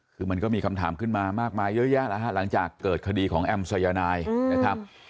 คือมันก็มีคำถามขึ้นมามากมายเยอะแยะแล้วฮะหลังจากเกิดคดีของแอมสายนายนะครับ